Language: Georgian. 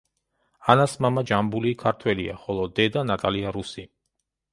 ანას მამა ჯამბული ქართველია, ხოლო დედა ნატალია რუსი.